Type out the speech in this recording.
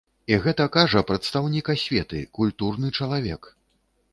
І гэта кажа прадстаўнік асветы, культурны чалавек!